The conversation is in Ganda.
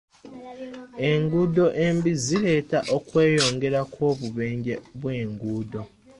Enguudo embi zireeta okweyongera kw'obubenje bw'enguudo.